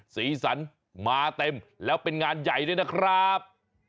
สีสันมาเต็มแล้วเป็นงานใหญ่ด้วยนะครับ